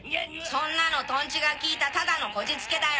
そんなのトンチが利いたただのこじつけだよ。